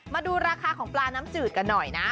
มาดูราคาของปลาน้ำจืดกันหน่อยนะ